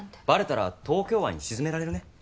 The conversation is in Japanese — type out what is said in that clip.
バレたら東京湾に沈められるね。